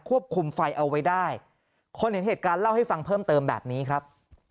ไฟเอาไว้ได้คนเห็นเหตุการณ์เล่าให้ฟังเพิ่มเติมแบบนี้ครับ